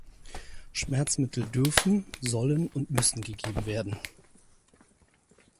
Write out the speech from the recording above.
Schmerzmittel dürfen, sollen und müssen gegeben werden.